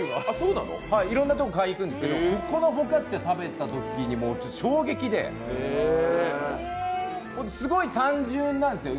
いろんなとこ買いに行くんですけど、このフォカッチャ食べたときにもう衝撃で、すごい単純なんですよ